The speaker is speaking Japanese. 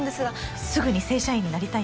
すぐに正社員になりたいんです。